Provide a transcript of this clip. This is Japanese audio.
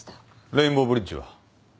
レインボーブリッジは？